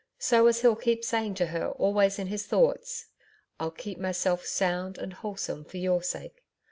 So as he'll keep saying to her always in his thoughts: "I'll keep myself sound and wholesome for your sake.